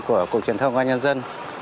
của cục truyền thông công an nhân dân